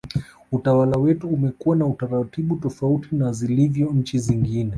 utawala wetu umekuwa na utaratibu tofauti na zilivyo nchi zingine